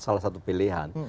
salah satu pilihan